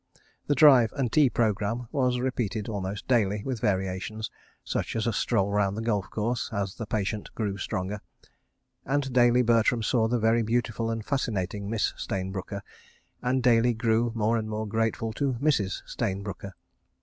... The drive and tea programme was repeated almost daily, with variations, such as a stroll round the golf course, as the patient grew stronger. ... And daily Bertram saw the very beautiful and fascinating Miss Stayne Brooker and daily grew more and more grateful to Mrs. Stayne Brooker.